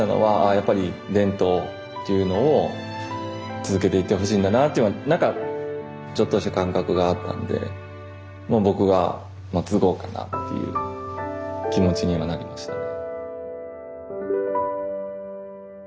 やっぱり伝統っていうのを続けていってほしいんだなっていうのは何かちょっとした感覚があったんでもう僕は継ごうかなっていう気持ちにはなりましたね。